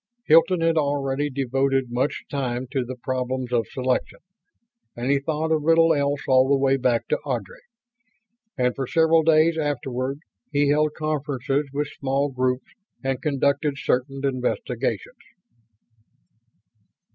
Hilton had already devoted much time to the problems of selection; and he thought of little else all the way back to Ardry. And for several days afterward he held conferences with small groups and conducted certain investigations.